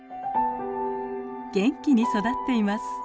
元気に育っています。